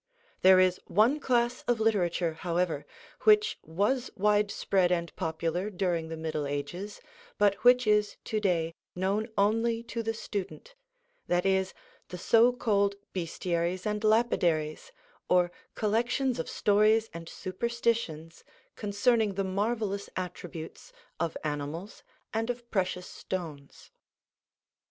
There is one class of literature, however, which was widespread and popular during the Middle Ages, but which is to day known only to the student, that is, the so called Bestiaries and Lapidaries, or collections of stories and superstitions concerning the marvelous attributes of animals and of precious stones.